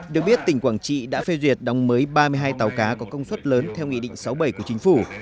được biết tỉnh quảng trị đã phê duyệt đóng mới ba mươi hai tàu cá có công suất lớn theo nghị định sáu mươi bảy của chính phủ